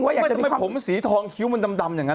ทำไมผมสีทองคิ้วมันดำอย่างนั้น